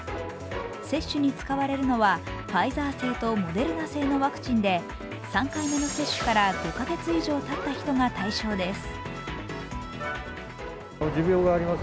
接種に使われるのはファイザー製とモデルナ製のワクチンで３回目の接種から５カ月以上たった人が対象です。